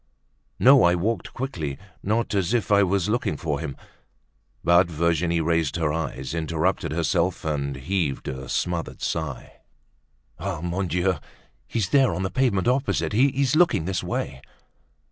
"No, I walked quickly, not as if I was looking for him." But Virginie raised her eyes, interrupted herself and heaved a smothered sigh. "Ah! Mon Dieu! He's there, on the pavement opposite; he's looking this way."